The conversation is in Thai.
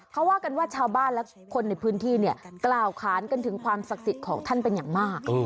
เขาว่ากันว่าชาวบ้านและคนในพื้นที่เนี่ยกล่าวค้านกันถึงความศักดิ์สิทธิ์ของท่านเป็นอย่างมาก